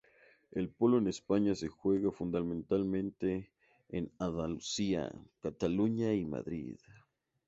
El polo en España se juega fundamentalmente en Andalucía, Cataluña y Madrid.